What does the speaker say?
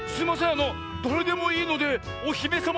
あのだれでもいいのでおひめさま